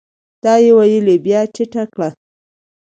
دا يې ويلې بيا ټيټه کړه ؟